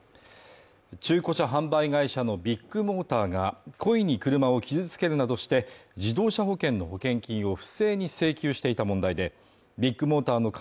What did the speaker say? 中古車販売会社のビッグモーターが故意に車を傷つけるなどして自動車保険の保険金を不正に請求していた問題でビッグモーターの兼